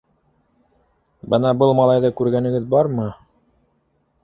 - Бына был малайҙы күргәнегеҙ бармы?